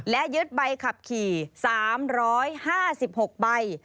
และยึดใบขับขี่๓๕๖ใบ